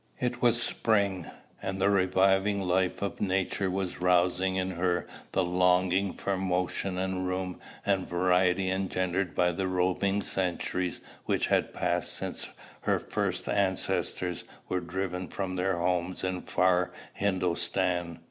It was spring; and the reviving life of nature was rousing in her the longing for motion and room and variety engendered by the roving centuries which had passed since first her ancestors were driven from their homes in far Hindostan.